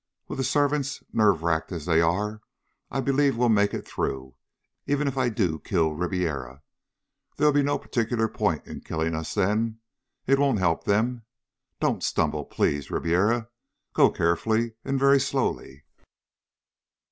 With the servants nerve racked as they are, I believe we'll make it through, even if I do kill Ribiera. There'll be no particular point in killing us then. It won't help them. Don't stumble, please, Ribiera.... Go carefully, and very slowly...."